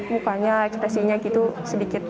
mukanya ekstresinya gitu sedikit